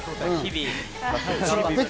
日々。